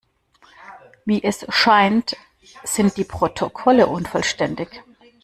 Wie es scheint, sind die Protokolle unvollständig.